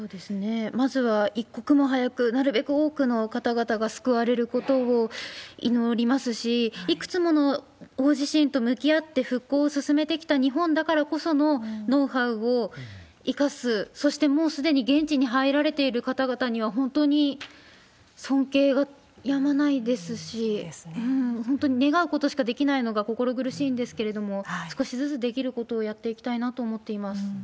まずは、一刻も早く、なるべく多くの方々が救われることを祈りますし、いくつもの大地震と向き合って復興を進めてきた日本だからこそのノウハウを生かす、そしてもうすでに現地に入られている方々には、本当に尊敬がやまないですし、本当に願うことしかできないのが心苦しいんですけれども、少しずつできることをやっていきたいなと思っています。